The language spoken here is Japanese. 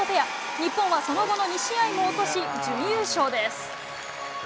日本はその後の２試合も落とし準優勝です。